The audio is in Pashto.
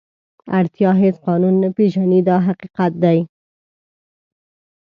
اړتیا هېڅ قانون نه پېژني دا حقیقت دی.